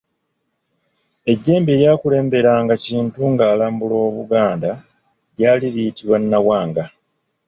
Ejjembe eryakulemberanga Kintu ng'alambula Obuganda lyali liyitibwa Nawanga.